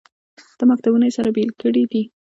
دا مکتبونه یې سره بېلې کړې دي.